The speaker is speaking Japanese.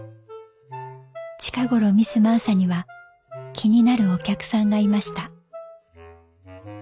「近頃ミス・マーサには気になるお客さんがいました」。